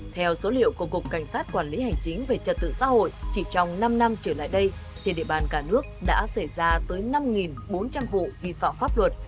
theo số liệu của cục cảnh sát quản lý hành chính về trật tự xã hội chỉ trong năm năm trở lại đây trên địa bàn cả nước đã xảy ra tới năm bốn trăm linh vụ vi phạm pháp luật